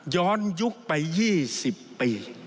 ย้อนยุคไป๒๐ปี